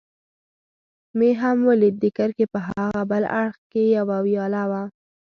مې هم ولید، د کرښې په هاغه بل اړخ کې یوه ویاله وه.